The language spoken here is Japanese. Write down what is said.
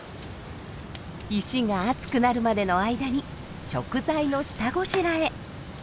石が熱くなるまでの間に食材の下ごしらえ。